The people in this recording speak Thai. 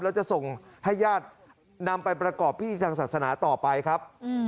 แล้วจะส่งให้ญาตินำไปประกอบพิธีทางศาสนาต่อไปครับ